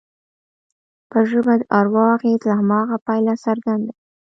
پر ژبه د اروا اغېز له هماغه پیله څرګند دی